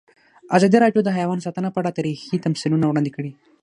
ازادي راډیو د حیوان ساتنه په اړه تاریخي تمثیلونه وړاندې کړي.